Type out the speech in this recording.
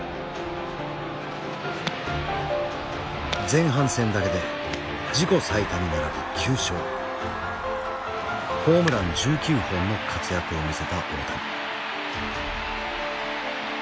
前半戦だけで自己最多に並ぶ９勝ホームラン１９本の活躍を見せた大谷。